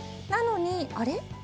なのに、あれ？